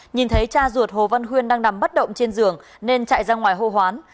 nhìn thấy cha ruột hồ văn huyên đang nằm bất động trên giường nên chạy ra ngoài hô hoán